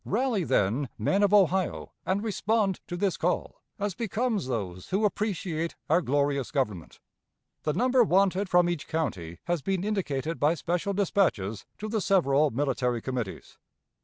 Rally, then, men of Ohio, and respond to this call, as becomes those who appreciate our glorious Government! ... The number wanted from each county has been indicated by special dispatches to the several military committees.